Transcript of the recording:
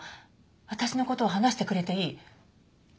私の事を話してくれていい。